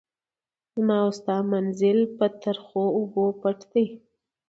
زما او ستا منزل په تریخو اوبو پټ دی.